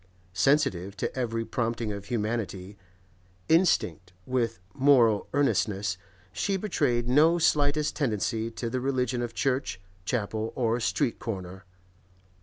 Sensitive to every prompting of humanity, instinct with moral earnestness, she betrayed no slightest tendency to the religion of church, chapel, or street corner.